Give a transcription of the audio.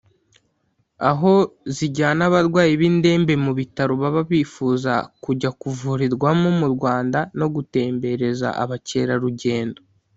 aho zijyana abarwayi b’indembe mu bitaro baba bifuza kujya kuvurirwamo mu Rwanda no gutembereza abakerarugendo